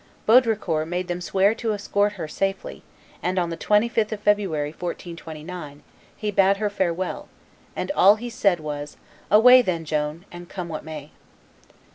Baudricourt made them swear to escort her safely, and on the 25th of February, 1429, he bade her farewell, and all he said was, "Away then, Joan, and come what may."